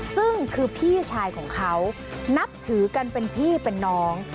ซึ่งคือพี่ชายของเขานับถือกันเป็นพี่เป็นน้อง